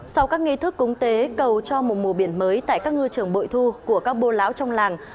sau các nghi thức cúng tế cầu cho một mùa biển mới tại các ngư trường bội thu của các bô lão trong làng